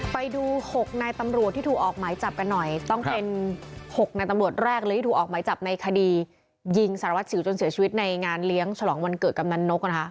ไปดู๖นายตำรวจที่ถูกออกหมายจับกันหน่อยต้องเป็น๖นายตำรวจแรกเลยที่ถูกออกหมายจับในคดียิงสารวัสสิวจนเสียชีวิตในงานเลี้ยงฉลองวันเกิดกำนันนกนะคะ